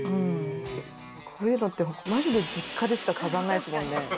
こういうのってマジで実家でしか飾んないっすもんね。